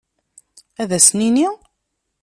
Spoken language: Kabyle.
Ad as-nini?